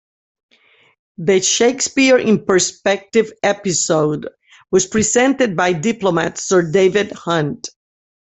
The "Shakespeare in Perspective" episode was presented by diplomat Sir David Hunt.